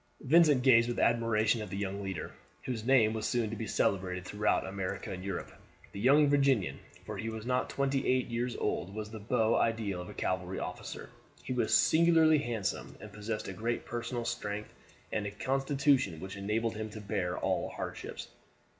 Vincent gazed with admiration at the young leader, whose name was soon to be celebrated throughout America and Europe. The young Virginian for he was not yet twenty eight years old was the beau ideal of a cavalry officer. He was singularly handsome, and possessed great personal strength and a constitution which enabled him to bear all hardships.